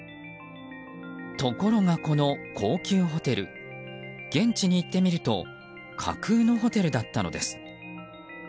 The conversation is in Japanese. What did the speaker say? ところが、この高級ホテル現地に行ってみると架空のホテルだったのです。